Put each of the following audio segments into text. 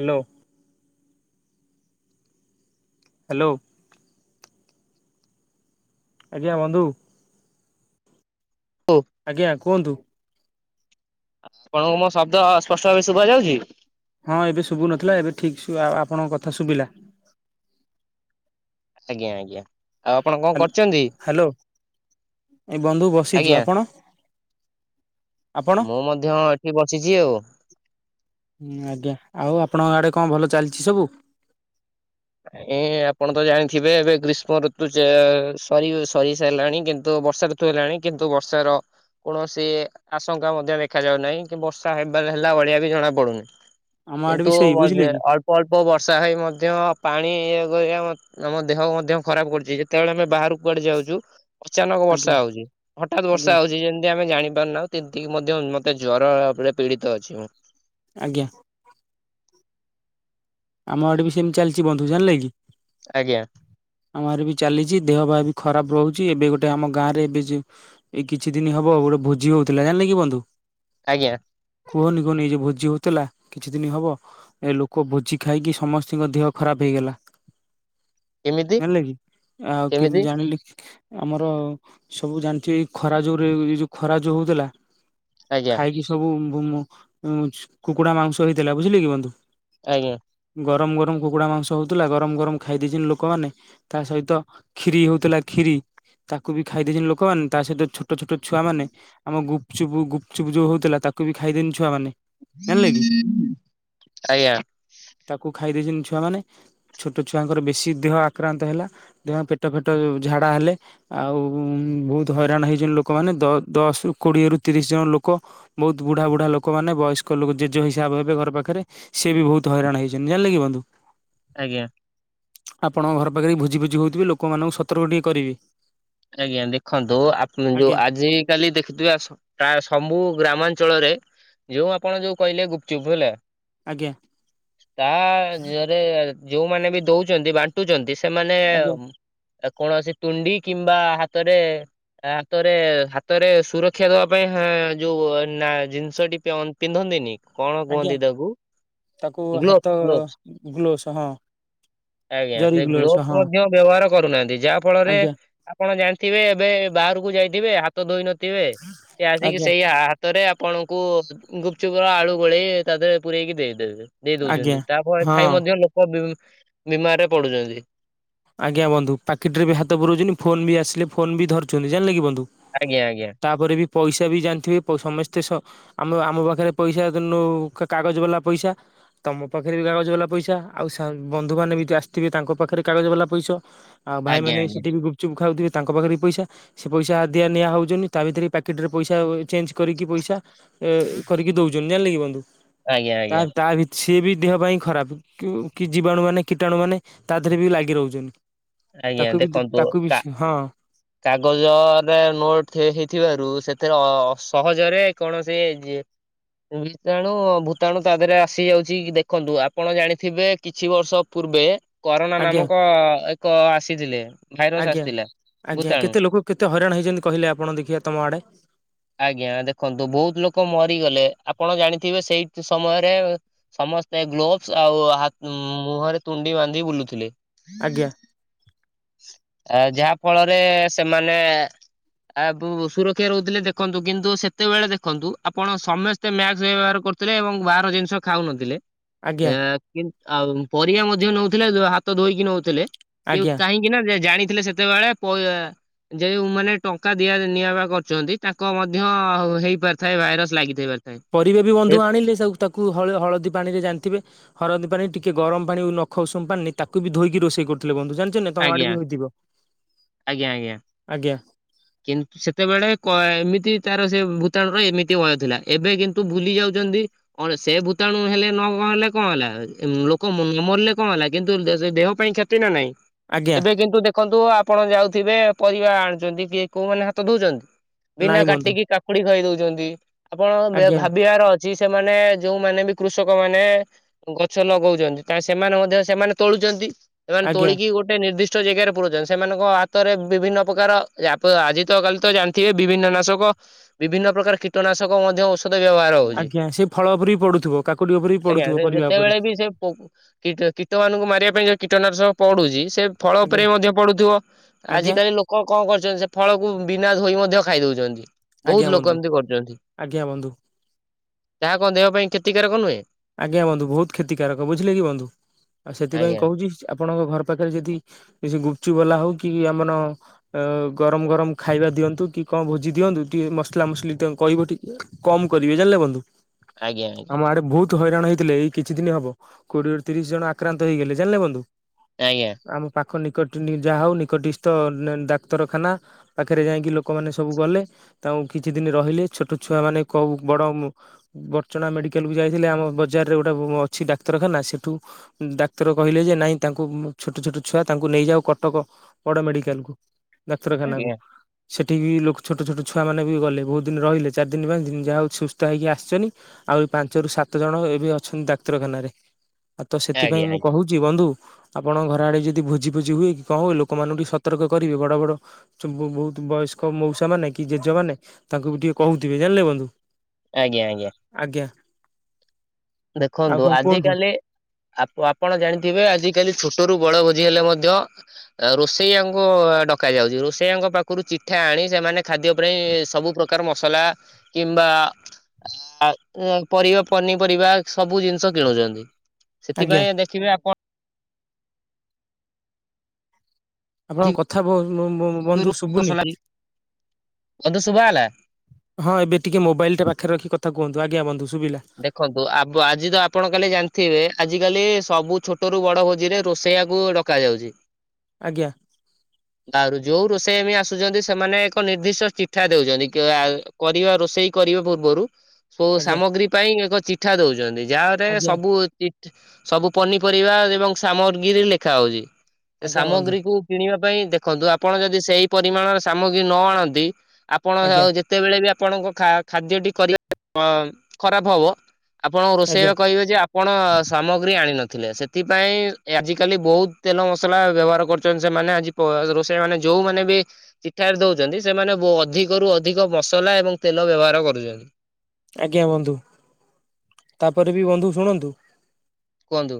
Hello. Hello? ଆଜ୍ଞା ବନ୍ଧୁ। ହଉ ଆଜ୍ଞା କୁହନ୍ତୁ? ଆପଣଙ୍କୁ ମୋ ଶବ୍ଦ ସ୍ପଷ୍ଟ ଭାବେ ଶୁଭା ଯାଉଛି? ହଁ ଏବେ ଶୁଭୁନଥିଲା, ଏବେ ଠିକ୍ ଆ ଆପଣଙ୍କ କଥା ଶୁଭିଲା। ଆଜ୍ଞା ଆଜ୍ଞା। ଆଉ ଆପଣ କଣ ହ୍ୟା କରୁଛନ୍ତି? ହ୍ୟାଲୋ ଏ ବନ୍ଧୁ ବସିଛୁ ଆଜ୍ଞା ଆପଣ? ଆପଣ ମୁଁ ମଧ୍ୟ ଏଠି ବସିଛି ଆଉ। ହୁଁ ଆଜ୍ଞା ଆଉ ଆପଣଙ୍କ ଆଡେ କଣ ଭଲ ଚାଲିଛି ସବୁ? ଏ ଆପଣ ତ ଜାଣିଥିବେ ଏବେ ଗ୍ରୀଷ୍ମ ଋତୁ ସରି ସରି ସାରିଲାଣି କିନ୍ତୁ ବର୍ଷା ଋ ତୁ ହେଲାଣି କିନ୍ତୁ ବର୍ଷାର କୌଣସି ଆଶଙ୍କା ମଧ୍ୟ ଦେଖା ଯାଉନାହିଁ କି ବର୍ଷା ହେବାର ହେଲା ଭଳିଆ ବି ଜଣା ପଡୁନି। ଆମ ଆଡେ ବି କିନ୍ତୁ ସେଇ ବୁଝିଲେ କି ଅଳ୍ପ ଅଳ୍ପ ବର୍ଷା ହେଇ ମଧ୍ୟ। ପାଣି ଆମ ଦେହ ମଧ୍ୟ ଖରାପ କରୁଛି ଯେତେବେଳେ ଆମେ ବାହାରକୁ କୁଆଡ଼େ ଯାଉଛୁ ଅଚାନକ ଆଜ୍ଞା ବର୍ଷା ହଉଛି ହଠାତ୍ ଆଜ୍ଞା ବର୍ଷା ହଉଛି। ଯେମିତି ଆମେ ଜାଣିପାରୁନାହୁ। ଏତିକି ମଧ୍ୟ ମତେ ଜ୍ଵର ଭାବରେ ପୀଡ଼ିତ ଅଛି ମୁଁ। ଆଜ୍ଞା। ଆମ ଆଡେ ବି ସେମତି ଚାଲିଛି ବନ୍ଧୁ ଜାଣିଲେ କି ଆଜ୍ଞା। ଆମ ଗାଁ ରେ ବି ଚାଲିଛି ଦେହ ପା ବି ଖରାପ ରହୁଛି ଏବେ ଗୋଟେ ଆମ ଗାଁ ରେ ଏବେ ଯ ଏଇ କିଛି ଦିନ ହବ ଗୋଟେ ଭୋଜି ହଉଥିଲା ଜାଣିଲେ କି ବନ୍ଧୁ ଆଜ୍ଞା। କୁହନି କୁହନି ଯେ ଭୋଜି ହେଉଥିଲା କିଛି ଦିନ ହେବ ଏ ଲୋକ ଭୋଜି ଖାଇକି ସମସ୍ତିଙ୍କ ଦେହ ଖରାପ ହେଇଗଲା। କେମିତି ହେଲେ କି ଆଉ କେମିତି ଜାଣିଲି ଆମର ସବୁ ଜାଣିଛି ଖରା ଯୋଉରେ ଯୋଉ ଖରା ଯୋଉ ହଉଥିଲା। ଆଜ୍ଞା ଖାଇକି ସବୁ ଉଁ ଉଁ ମୁଁ କୁକୁଡା ମାଂସ ହେଇଥିଲା, ବୁଝିଲେ କି ବନ୍ଧୁ? ଆଜ୍ଞା। ଗରମ୍ ଗରମ୍ କୁକୁଡ଼ା ମାଂସ ହଉଥିଲା, ଗରମ୍ ଗରମ୍ ଖାଇ ଦେଇେଇଛନ୍ତି ଲୋକମାନେ ତା ସହିତ ଖିରି ହଉଥିଲା ଖିରି ତାକୁ ବି ଖାଇଦେଇଛନ୍ତି, ଲୋକମାନେ ତା ସହିତ ଛୋଟ ଛୋଟ ଛୁଆମାନେ ଆମ ଗୁପଚୁପ୍-ଗୁପଚୁପ୍ ଯୋଉ ହଉଥିଲା, ତାକୁ ବି ଖାଇଦେନି ଛୁଆମାନେ। ଜାଣିଲେ କି ଆଜ୍ଞା। ତାକୁ ଖାଇ ଦେଇେଇଛନ୍ତି ଛୁଆ ମାନେ ଛୋଟ ଛୁଆଙ୍କର ବେଶୀ ଦେହ ଆକ୍ରାନ୍ତ ହେଲା। ଦେହ ପେଟ ଫେଟ ଝାଡା ହେଲେ। ଆଉ ବହୁତ ହଇରାଣ ହେଇଛନ୍ତି, ଲୋକମାନେ ଦ ଦଶରୁ କୋଡିଏରୁ ତିରିଶ ଜଣ ଲୋକ। ବହୁତ ବୁଢା ବୁଢା ଲୋକମାନୋନ ବୟସ୍କ ଲୋକ ଜେଜେ ହିସାବ ହେବେ ଘର ପାଖରେ ସିଏ ବି ବହୁତ ହଇରାଣ ହେଇ କେମିତି ଜାଣିଲେ କି ବନ୍ଧୁ? ଆଜ୍ଞା। ଆପଣ ଘର ପାଖରେ ବି ଭୋଜି ଭୋଜି ହଉଥିବେ, ଲୋକମାନଙ୍କୁ ସତର୍କ ଟିକେ କରିବି। ଆଜ୍ଞା ଦେଖନ୍ତୁ ଆପ୍ ଯୋଉ ଆଜ୍ଞା ଆଜି କାଲି ଦେଖିଥିବ ପ୍ରାୟ ସବୁ ଗ୍ରାମାଞ୍ଚଳରେ ଯୋଉ ଆପଣ ଯୋଉ କହିଲେ ଗୁପଚୁପ୍ ହେଲା। ଆଜ୍ଞା ହଁ [unintelligible] ଯୋଉମାନେ ବି ଦଉଛନ୍ତି ବା ବାଣ୍ଟୁଚନ୍ତି ସେମାନେ ଆଜ୍ଞା କୌଣସି ତୁଣ୍ଡି କିମ୍ବା ହାତରେ ହାତରେ ହାତରେ ସୁରକ୍ଷା ଦେବା ପାଇଁ ହୁଁ ଯୋଉ ଜିନିଷଟି ପିନ୍ଧନ୍ତିନି। କଣ ଆଜ୍ଞା କୁହନ୍ତି ତାକୁ ତାକୁ ହାତ ଗ୍ଲୋଭସ୍ ଗ୍ଲୋଭସ୍। ଗ୍ଲୋଭସ ହଁ ଆଜ୍ଞା ଜରି ସେ ଗ୍ଲୋଭସ ଗ୍ଲୋଭ୍ ହଁ ମଧ୍ୟ ବ୍ୟବହାର କରୁନାହାନ୍ତି ଯାହା ଫଳରେ ଆଜ୍ଞା ଆପଣ ଜାଣିଥିବେ ଏବେ ବାହାରକୁ ଯାଇଥିବେ ହାତ ଧୋଇ ନଥିବେ ସେ ଆସିକି ଆଜ୍ଞା ସେଇଆ ହା ହାତରେ ଆପଣଙ୍କୁ ଗୁପଚୁପ ର ଆଳୁ ଗୋଳେଇ ତା ଦେହରେ ପୁରେଇକି ଦେଇଦେବେ। ଦେଇ ଆଜ୍ଞା ଦଉଛନ୍ତି ତାପରେ ହଁ ଖାଇ ମଧ୍ୟ ଲୋକ ବି ବିମାରରେ ପଡୁଚନ୍ତି। ଆଜ୍ଞା ବନ୍ଧୁ ପାକିଟିରେ ବି ହାତ ପୁରଉଚନ୍ତି ଫୋନ ବି ଆସିଲେ ଫୋନ ବି ଧରୁଛନ୍ତି ଜାଣିଲେ କି ବନ୍ଧୁ। ଆଜ୍ଞା ଆଜ୍ଞା। ତାପରେ ବି ପଇସା ବି ଜାଣିଥିବେ ସମସ୍ତେ ସ ଆମ ଆମ ପାଖରେ ପଇସା ନଉ କାଗଜ ବାଲା ପଇସା। ତମ ପାଖରେ ବି କାଗଜ ବାଲା ପଇସା ଆଉ ବନ୍ଧୁ ମାନେ ବି ଯିଏ ଆସିଥିବେ ତାଙ୍କ ପାଖରେ କାଗଜ ବାଲା ପଇସା ଆଉ ଭାଇ ଆଜ୍ଞା ମାନେ ଆଜ୍ଞା ସେଠି ବି ଗୁପଚୁପ୍ ଖାଉଥିବେ ତାଙ୍କ ପାଖରେ ବି ପଇସା। ସେ ପଇସା ଦିଆ ନିଆ ହଉଛନ୍ତି ତା ଭିତରେ ପ୍ୟାକେଟ ରେ ପଇସା ଚେଞ୍ଜ କରିକି ପଇସା ଉଁ କରିକି ଦଉଛନ୍ତି ଜାଣିଲେ କି ବନ୍ଧୁ। ଆଜ୍ଞା ନାଁ ଆଜ୍ଞା ତା ସିଏ ବି ଦେହ ପାଇଁ ଖରାପ କି ଜୀବାଣୁ ମାନେ କୀଟାଣୁ ମାନେ ତା ହାତ ରେ ବି ଲାଗି ରହୁଛନ୍ତି ଆଜ୍ଞା କାଖ ଭିତରେ [unintelligible] ଦେଖନ୍ତୁ ତାକୁ କା ବି ହଁ। କାଗଜରେ ନୋଟ ହେଇଥିବାରୁ ସେଥିରେ ଅ ସହଜରେ କୌଣସି ତେଣୁ ଭୂତାଣୁ ତା ଦେହରେ ଆସି ଯାଉଛି କି ଦେଖନ୍ତୁ ଆପଣ ଜାଣିଥିବେ କିଛି ବର୍ଷ ପୂର୍ବେ କରୋନା ଆଜ୍ଞା ନାମକ ଏକ ଆସିଥିଲେ ଭାଇରସ୍ ଆଜ୍ଞା। ଆସିଥିଲା। ଆଜ୍ଞା ଭୂତାଣୁ। କେତେ ଲୋକ କେତେ ହଇରାଣ ହେଇଛନ୍ତି କହିଲେ ଆପଣ ଦେଖିବା ତମ ଆଡ଼େ? ଆଜ୍ଞା ଦେଖନ୍ତୁ ବହୁତ୍ ଲୋକ ମରିଗଲେ ଆପଣ ଜାଣିଥିବେ ସେଇ ସମୟରେ ସମସ୍ତେ ଗ୍ଲୋଭସ୍ ଆଉ ହା ମୁହଁରେ ତୁଣ୍ଡି ବାନ୍ଧି ବୁଲୁଥିଲେ। ଆଜ୍ଞା। ଆ ଯାହା ଫଳରେ ସେମାନେ [unintelligible] ସୁରକ୍ଷା ରହୁଥିଲେ ଦେଖନ୍ତୁ କିନ୍ତୁ ସେତେବେଳେ ଦେଖନ୍ତୁ ଆପଣ ସମ ସମସ୍ତେ ମ୍ୟାକସ୍ ବ୍ୟବହାର କରୁଥିଲେ ଏବଂ ବାହାର ଜିନିଷ ଖାଉନଥିଲେ। ଆଜ୍ଞା ଆଉ ପରିବା ମଧ୍ୟ ନଉଥିଲେ ହାତ ଧୋଇକି ନଉଥିଲେ କି ଆଜ୍ଞା କାହିଁକି? [unintelligible] ଜାଣିଥିଲେ ସେତେବେଳେ ଯେଉଁମାନେ ଟଙ୍କା ଦିଆ ନିଆ ବା କରୁଛନ୍ତି ତାଙ୍କ ମଧ୍ୟ ହେଇପାରିଥାଏ ଭାଇରସ୍ ଲାଗିଥାଇ ପାରିଥାଏ। ପରିବା ବି ବନ୍ଧୁ ଏ- ଆଣିଲେ ତା ତାକୁ ହଳଦୀ ପାଣିରେ ଜାଣିଥିବେ ହଳଦୀ ପାଣି ଟିକେ ଗରମ ପାଣି ନଖ ଉଷୁମ ପାଣି ତାକୁ ବି ଧୋଇକି ରୋଷେଇ କରୁଥିଲେ ବନ୍ଧୁ ଜା ତମ ଆଡ଼େ ଆଜ୍ଞା ବି ହେଇଥିବ ଆଜ୍ଞା ଆଜ୍ଞା। ଆଜ୍ଞା। କିନ୍ତୁ ସେତେବେଳେ ଏମିତି ତାର ସେ ଭୂତାଣ ର ଏମିତି ଭୟ ଥିଲା ଏବେ କିନ୍ତୁ ଭୁଲି ଯାଉଛନ୍ତି। ସେ ଭୂତାଣୁ ହେଲେ ନ କଣ ହେଲେ କଣ ହେଲା ଲୋକ ନ ମରିଲେ କଣ ହେଲା କିନ୍ତୁ ସେ ଦେହ ପାଇଁ କ୍ଷ କ୍ଷତି ନା ନାଇଁ? ଆଜ୍ଞା ଏବେ କିନ୍ତୁ ଦେଖନ୍ତୁ ଆପଣ ଯାଉଥିବେ ପରିବା ଆଣୁଛନ୍ତି କିଏ କୋଉ ମାନେ ହାତ ଧୋଉଛନ୍ତି। ବିନା ନାଇଁ ବନ୍ଧୁ କାଟିକି କାକୁଡ଼ି ଖାଇ ଦଉଛନ୍ତି ଆପଣ ଆଜ୍ଞା ଭାବିବାର ଅ ଅଛି ସେମାନେ ଯୋଉମାନେ ବି କୃଷକ ମାନେ ଗଛ ଲଗଉଛନ୍ତି ତା ସେମାନେ ମଧ୍ୟ ସେମାନେ ତୋଳୁଚନ୍ତି। ସେମାନେ ଆଜ୍ଞା ତୋଳିକି ଗୋଟେ ନିର୍ଦ୍ଦିଷ୍ଟ ଜାଗାରେ ପୁରଉଛନ୍ତି ସେମାନଙ୍କ ହାତରେ ବିଭିନ୍ନ ପ୍ରକାର ଆଜି ତ କାଲି ତ ଜାଣିଥିବେ ବିଭିନ୍ନ ନାଶକ ବିଭିନ୍ନ ପ୍ରକାର କୀଟନାଶକ ମଧ୍ୟ [unintelligible] ବ୍ୟବହାର ହଉଛି ଆଜ୍ଞା ସେ ଫଳ ଉପରେ ବି ପଡୁଥିବ କାକୁଡି ଉପରେ ବି ଆଜ୍ଞା ପଡୁଥିବ ପରିବା ଉପରେ ଯେତେବେଳେ ବି ସେ କୀଟ କୀଟ ମାନଙ୍କୁ ମାରିବା ପାଇଁ ଯଉ କୀଟନାଶକ ପଡୁଛି ସେ ଫଳ ଉପରେ ଆଜ୍ଞା ମଧ୍ୟ ପଡୁଥିବ ଆଜ୍ଞା ଆଜିକାଲି ଲୋକ କଣ କରୁଛନ୍ତି ଫଳ କୁ ବିନା ଧୋଇ ମଧ୍ୟ ଖାଇ ଦଉଛନ୍ତି ଆଜ୍ଞା ବହୁତ୍ ଲୋକ ବନ୍ଧୁ ଏମିତି କରୁଛନ୍ତି। ଆଜ୍ଞା ବନ୍ଧୁ ତାହା କଣ ଦେହ ପାଇଁ କ୍ଷତିକାରକ ନୁହେଁ। ଆଜ୍ଞା ବନ୍ଧୁ ବହୁତ କ୍ଷତିକାରକ ବୁଝିଲେ କି ବନ୍ଧୁ ଆଉ ଆଜ୍ଞା ସେଥିପାଇଁ କହୁଛି ଆପଣଙ୍କ ଘର ପାଖରେ ଯଦି କିଛି ଗୁପଚୁପ୍ ବାଲା ହଉ କି ଆମନ ଅ ଗରମ ଗରମ ଖାଇବା ଦିଅନ୍ତୁ କି କଣ ଭୋଜି ଦିଅନ୍ତୁ ଟିକେ ମସଲା ମୁସଲି ତାଙ୍କୁ କହିବଟି। କମ କରିବେ ଜାଣିଲେ ବନ୍ଧୁ ଆଜ୍ଞା ଆମ ଆଡେ ବହୁତ ହଇରାଣ ହେଇଥିଲେ ଏଇ କିଛି ଦିନ ହବ କୋଡିଏରୁ ତିରିଶ ଜଣ ଆକ୍ରାନ୍ତ ହେଇଗଲେ ଜାଣିଲେ ବନ୍ଧୁ। ଆଜ୍ଞା‌ ଆମ ପାଖ ନିକଟ ଯାହା ହଉ ନିକଟିସ୍ଥ ଡାକ୍ତରଖାନା ପାଖରେ ଯାଇକି ଲୋକମାନେ ସବୁ ଗଲେ। ତାଙ୍କୁ କିଛି ଦିନ ରହିଲେ ଛୋଟ ଛୁଆ ମାନେ କୋଉ ବଡ ବର୍ଚଣା ମେଡିକାଲକୁ ଯାଇ ଥିଲେ ଆମ ବଜାରରେ ଗୋଟେ ଅଛି ଡାକ୍ତରଖାନା ସେଠୁ ଡାକ୍ତର କହିଲେ ଯେ ନାଇଁ ତାଙ୍କୁ ଛୋଟ ଛୋଟ ଛୁଆ ତାଙ୍କୁ ନେଇଯାଉ କଟକ। ବଡ ମେଡିକାଲ କୁ ଡାକ୍ତରଖାନା। ଆଜ୍ଞା ସେଠି ବି ଲୋକ ଛୋଟ ଛୋଟ ଛୁଆମାନେ ବି ଗଲେ ବହୁତ ଦିନ ରହିଲେ ଚାରି ଦିନ ପାଞ୍ଚ ଦିନ ଯାହା ହଉ ସୁସ୍ଥ ହେଇକି ଆସିଛନ୍ତି। ଆଉ ଏ ପାଞ୍ଚରୁ ସାତ ଜଣ ଏବେ ଅଛନ୍ତି ଡାକ୍ତରଖାନାରେ। ଆଉ ତ ସେଥିପାଇଁ ଆଜ୍ଞା ମୁଁ ଆଜ୍ଞା କହୁଛି ବନ୍ଧୁ ଆପଣ ଘର ଆଡେ ଯଦି ଭୋଜି ଭୋଜି ହୁଏ କି କଣ ଲୋକ ମାନଙ୍କୁ ଟିକେ ସତର୍କ କରିବେ। ବଡ ବଡ ବହୁତ ବୟସ୍କ ମଉସା ମାନ କି ଜେଜେମାନେ ତାଙ୍କୁ ବି ଟିକେ କହୁଥିବେ ଜାଣିଲେ ବନ୍ଧୁ? ଆଜ୍ଞା ଆଜ୍ଞା ଆଜ୍ଞା ଆଉ ଦେଖନ୍ତୁ କଣ ଆଜି କୁହନ୍ତୁ କାଲି ଆ ଆପଣ ଜାଣିଥିବେ ଆଜିିକାଲି ଛୋଟ ରୁ ବଡଭୋଜି ହେଲେ ମଧ୍ୟ ଆଉ ରୋଷେଇଆଙ୍କୁ ଡକା ଯାଉଛି। ରୋଷେଇଆଙ୍କ ପାଖରୁ ଚିଠା ଆଣି ସେମାନେ ଖାଦ୍ୟ ପାଇଁ ସବୁ ପ୍ରକାର ମସଲା କିମ୍ବା ପରିବା ପନିପରିବା ସବୁ ଜିନିଷ କିଣୁଛନ୍ତି ଆଜ୍ଞା ସେଥିପାଇଁ ଦେଖିବେ ଆପଣ ଆପଣଙ୍କ ଅଧିକ କଥା ବନ୍ଧୁ ଶୁଭୁନି। [unintelligible] ବନ୍ଧୁ ଶୁଭା ଗଲା? ହଁ ଏବେ ଟିକେ ମୋବାଇଲ ଟା ପାଖରେ ରଖି କଥା କୁହନ୍ତୁ ଆଜ୍ଞା ବନ୍ଧୁ ଶୁଭିଲା। ଦେଖନ୍ତୁ ଆ ଆଜି ତ ଆପଣ କାଲି ଜାଣିଥିବେ ଆଜି କାଲି ସବୁ ଛୋଟ ରୁ ବଡ ଭୋଜିରେ ରୋଷେଇଆକୁ କାଯାଉଛି। ଆଜ୍ଞା ତାରୁ ଯୋଉ ରୋଷେୟା ବି ଆସୁଛନ୍ତି ସେମାନେ ଏକ ନିର୍ଦ୍ଦିଷ୍ଟ ଚିଠା ଦଉଛନ୍ତି। ପରିବା ରୋଷେଇ କରିବା ପୂର୍ବରୁ ସବୁ ଆଜ୍ଞା। ସାମଗ୍ରୀ ପାଇଁ ଏକ ଚିଠା ଦଉଛନ୍ତି ଯାରେ ଆଜ୍ଞା ସବୁ ସବୁ ପନିପରିବା ଏବଂ ସାମଗ୍ରୀ ରେ ଲେଖା ହଉଛି ସେ ଆଜ୍ଞା ବନ୍ଧୁ ସାମଗ୍ରୀକୁ କିଣିବା ପାଇଁ ଦେଖନ୍ତୁ ଆପଣ ଯଦି ସେଇ ପରିମାଣର ସାମଗ୍ରୀ ନ ଆଣନ୍ତି, ଆପଣ ଆଉ ଆଜ୍ଞା ଯେ ଯେତେବେଳେ ବି ଆପଣଙ୍କ ଖାଦ୍ୟଟି କରିବା ଖରାପ ହବ। ଆପଣଙ୍କ ଆଜ୍ଞା ରୋଷେଇୟା କୁ କହିବେ ଯେ ଆ ଆପଣ ସାମଗ୍ରୀ ଆଣି ନଥିଲେ ସେଥିପାଇଁ ଆଜିକାଲି ବହୁତ ତେଲ ମସଲା ବ୍ୟବହାର କରୁଛନ୍ତି ସେମାନେ ଆଜି ରୋଷେଇ ମାନେ ଯୋଉମାନେ ବି ଚିଠାରେ ଦଉଛନ୍ତି ସେମାନେ ଅଧିକରୁୁ ଅଧିକ ମସଲା ଏବଂ ତେଲ ବ୍ୟବହାର କରୁଛନ୍ତି। ଆଜ୍ଞା ବନ୍ଧୁ। ତାପରେ ବି ବନ୍ଧୁ ଶୁଣନ୍ତୁ କୁହନ୍ତୁ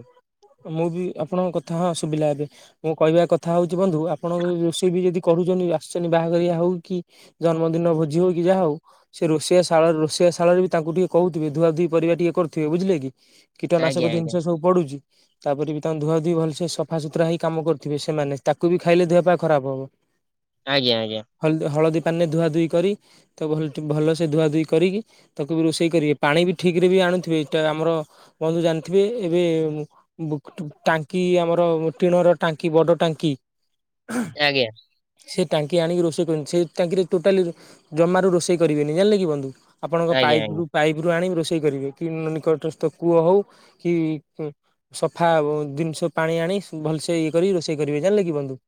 ମୁଁ ବି ଆପଣଙ୍କ କଥା ହଁ ସୁବିଲା ଏବେ। ମୋ କହିବା କଥା ହଉଚି ବନ୍ଧୁ ଆପଣଙ୍କ ରୋଷେଇ ବି ଯଦି କରୁଛନ୍ତି ଆସିଛନ୍ତି ବାହାଘରିଆ ହଉ କି ଜନ୍ମଦିନ ଭୋଜି ହଉ କି ଯାହା ହଉ ସେ ରୋଷେଇଆ ଶାଳ ରୋଷିଆ ଶାଳରେ ବି ତାଙ୍କୁ ଟିକେ କହୁଥିବେ ଧୁଆ ଧୁଇ ପରିବା ଟିକେ କରୁଥିବେ ବୁଝିଲେ କି? ଆଜ୍ଞା କୀଟନାଶକ ଆଜ୍ଞା ଜିନିଷ ସବୁ ପଡୁଛି। ତାପରେ ବି ତାଙ୍କୁ ଧୁଆ ଧୁଇ ଭଲସେ ସଫା ସୁୁତୁରା ହେଇ କାମ କରୁଥିବ ସେମାନେ ତାକୁ ବି ଖାଇଲେ ଦେହ ପା ଖରାପ ହବ, ଆଜ୍ଞା ଆଜ୍ଞା। ହଳଦୀ ହଳଦୀ ପାଣୀରେ ଧୁଆ ଧୁଇ କରି ତ ଭଲସେ ଧୁଆ ଧୁଇ କରିକି ତାକୁ ବି ରୋଷେଇ କରିବେ ପାଣି ବି ଠିକ ରେ ବି ଆଣୁଥିବେ ଏଇଟା ଆମର ବନ୍ଧୁ ଜାଣିଥିବେ ଏବେ ଟାଙ୍କି ଆମର ଟିଣର ଟାଙ୍କି ବଡ ଟାଙ୍କି ଆଜ୍ଞା ସେ ଟାଙ୍କି ଆଣିକି ରୋଷେଇ କରିବେନି ସେ ଟାଙ୍କିରେ ଟୋଟାଲି ଜମାରୁ ରୋଷେଇ କରିବେନି ଜାଣିଲେ କି ବନ୍ଧୁ? ଆପଣଙ୍କ ଆଜ୍ଞା ଆଜ୍ଞା ପାଇପ୍ ରୁ ପାଇପ୍ ରୁ ଆଣି ରୋଷେଇ କରିବେ କି ନିକଟସ୍ଥ କୂଅ ହୋଉ କି ସଫା ଜିନିଷ ପାଣି ଆଣି ଭଲସେ ଇଏ କରି ରୋଷେଇ କରିବେ ଜାଣିଲେ କିି ବନ୍ଦୁ?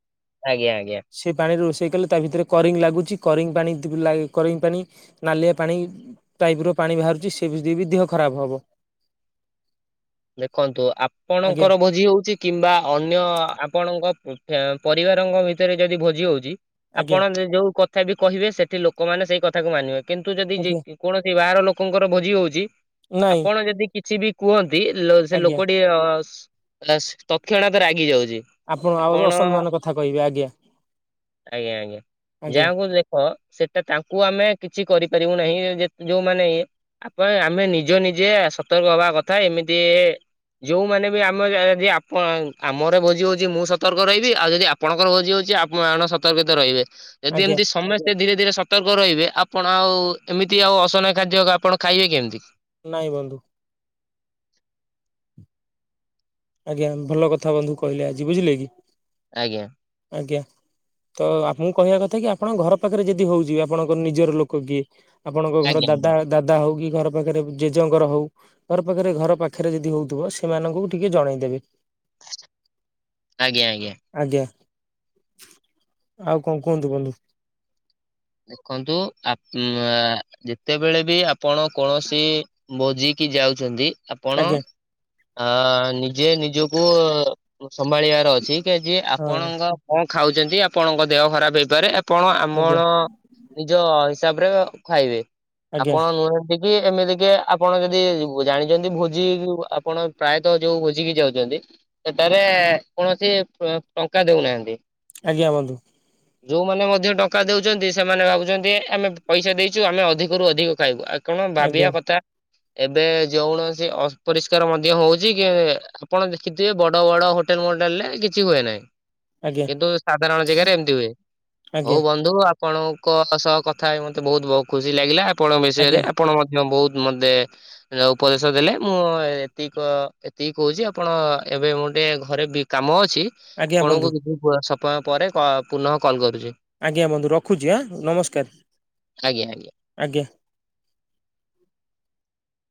ଆଜ୍ଞା ଆଜ୍ଞା। ସେ ପାଣିରେ ରୋଷେଇ କଲେ ତା ଭିତରେ କରିଙ୍ଗ ଲାଗୁଛି କରିଙ୍ଗ ପାଣି ତା କରିଙ୍ଗ ପାଣି। ନାଲିଆ ପାଣି ଟାଇପ୍ ର ପାଣି ବାହାରୁଛି ସେ ବି ଦେହ ଖରାପ ହବ। ଦେଖନ୍ତୁ ଆଜ୍ଞା ଆପଣଙ୍କର ଭୋଜି ହଉଛି। କିମ୍ବା ଅନ୍ୟ ଆପଣଙ୍କ ପରିବାରଙ୍କ ଭିତରେ ଯଦି ଭୋଜି ହଉଛି। ଆଜ୍ଞା ଆପଣ ଯୋଉ କଥା ବି କହିବେ ସେଠି ଲୋକମାନେ ସେଇ କଥାକୁ ମାନିବେ କିନ୍ତୁ ଯଦି ଯେ ଆଜ୍ଞା କୌଣସି ବାହାର ଲୋକଙ୍କର ଭୋଜି ହଉଛି ନାଇଁ ଆପଣ ଯଦି କିଛି ବି କୁହ ନ୍ତି ସେ ଆଜ୍ଞା ଲୋକଟି ତତ୍ କ୍ଷଣାତ ରାଗି ଯାଉଛି। ଆଉ ଆପଣ ଅସମ୍ମାନ କଥା କହିବେ ଆଜ୍ଞା ଆଜ୍ଞା ଆଜ୍ଞା ଆଜ୍ଞା ଯାହାଙ୍କୁ ଦେ ହଁ ସେଟା ତାଙ୍କୁ ଆମେ କିଛି କରିପାରିବୁ ନାହିଁ ଯୋଉମାନେ ଆପଣ ଆମେ ନିଜ ନିଜେ ସତର୍କ ହବା କଥା ଏମିତି ଯୋଉମାନେ ବି ଆମର ଆଜି ଆପଣ ଆମର ଭୋଜି ହଉଛି ମୁଁ ସତର୍କ ରହିବି ଆଉ ଯଦି ଆ ଆପଣଙ୍କର ଭୋଜି ହଉଛି ଆପଣ ସତର୍କିତ ରହିବେ ଯଦି ଆଜ୍ଞା ଏମିତି ସମସ୍ତେ ଧୀରେ ଧୀରେ ସତର୍କ ରହିବେ ଆପଣ ଆଉ ଏମିତି ଆଉ ଅସନା ଖାଦ୍ୟ ଆପଣ ଖାଇବେ କେମିତି? ନାଇଁ ବନ୍ଧୁ। ଆଜ୍ଞା ଭଲ କଥା ବନ୍ଧୁ କହିଲେ ଆଜି ବୁଝିଲେ କି? ଆଜ୍ଞା। ଆଜ୍ଞା। ତ ଆପଣଙ୍କ କହିବା କଥା କି ଆପଣଙ୍କ ଘର ପାଖରେ ଯଦି ହଉଛି ଆପଣଙ୍କ ନିଜର ଲୋକ କିଏ ଆପଣଙ୍କ ଘର ଆଜ୍ଞା ଦାଦା ଦାଦା ହଉ କି ଘର ପାଖରେ ଜେଜେଙ୍କର ହଉ। ଘର ପାଖରେ ଘର ପାଖରେ ଯଦି ହଉଥିବ ସେମାନଙ୍କୁ ଟିକେ ଜଣେଇଦେବେ। ଆଜ୍ଞା ଆଜ୍ଞା। ଆଜ୍ଞା। ଆଉ କଣ କୁହନ୍ତୁ ବନ୍ଧୁ? ଦେଖନ୍ତୁ ଆପ ଯେତେବେଳେ ବି ଆପଣ କୌଣସି ବୋଜିକି ଯାଉଛନ୍ତି। ଆପଣ ଆଜ୍ଞା ନିଜେ ନିଜକୁ ସମ୍ଭାଳିବାର ଅଛି। ଜି ହଁ ଆପଣଙ୍କ କଣ ଖାଉଛନ୍ତି ଆପଣଙ୍କ ଦେହ ଖରାପ ହେଇପାରେ ଆପଣ ଆଜ୍ଞା ଆମର ନିଜ ହିସାବରେ ଖାଇବେ ଆଜ୍ଞା ଆପଣ ନୁହେଁ କି ଏମିତିକି ଆପଣ ଯଦି ଜାଣିଛନ୍ତି ଭୋଜି ଆପଣ ପ୍ରାୟତଃ ଯୋଉ ଭୋଜିିକ ଯାଉଛନ୍ତି। ସେଟାରେ କୌଣସି ଟଙ୍କା ଦଉନାହାନ୍ତି। ଆଜ୍ଞା ବନ୍ଧୁ। ଯୋଉମାନେ ମଧ୍ୟ ଟଙ୍କା ଦଉଛନ୍ତି ସେମାନେ ଭାବୁଛନ୍ତି ଆମେ ପଇସା ଦେଇଛୁ ଆମେ ଅଧିକରୁୁ ଅଧିକ ଖାଇବୁ କଣ ଆଜ୍ଞା ଭାବିବା କଥା। ଏବେ ଯେଉଣସି ଅପରିଷ୍କାର ମଧ୍ୟ ହଉଛି କି ଆପଣ ଦେଖିଥିବେ ବଡ ବଡ ହୋଟେଲ ମଡେଲ୍ ରେ କିଛି ହୁଏ ନାହିଁ। ଆଜ୍ଞା କିନ୍ତୁ ସାଧାରଣ ଜାଗାରେ ଏମିତି ହୁଏ ଆଜ୍ଞା ହଉ ବନ୍ଧୁ ଆ ଆପଣଙ୍କ ସହ କଥା ହେଇକି ମତେ ବହୁତ ବହୁତ ଖୁସି ଲାଗିଲା ଆପଣଙ୍କ ବିଷୟରେ ଆଜ୍ଞା ଆପଣ ମ ବହୁତ ମନ୍ଦେ ଉପଦେଶ ଦେଲେ ମୁଁ ଏତିକ ଏତିକି କହୁଛି ଆପଣ ଏବେ ମୁଁ ଟିକେ ଘରେ ଭି କାମ ଅଛି ଆଜ୍ଞା ବନ୍ଧୁ ଆପଣଙ୍କୁ କିଛି ସମୟ ପରେ ପୁନଃ କଲ କରୁଛି। ଆଜ୍ଞା ବନ୍ଧୁ ରଖୁଛି ଆଁ ନମସ୍କାର। ଆଜ୍ଞା ଆଜ୍ଞା। ଆଜ୍ଞା।